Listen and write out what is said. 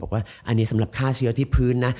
อันนี้สำหรับค่าเชื้อที่พื้นนะ